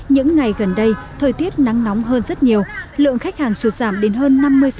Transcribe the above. những ngày gần đây thời tiết nắng nóng hơn rất nhiều lượng khách hàng sụt giảm đến hơn năm mươi